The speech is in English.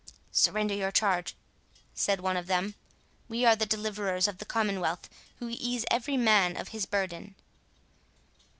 —"Surrender your charge," said one of them; "we are the deliverers of the commonwealth, who ease every man of his burden."